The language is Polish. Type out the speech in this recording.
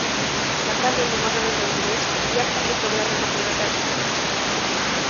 Naprawdę nie możemy zrozumieć, jak takie problemy mogą nadal istnieć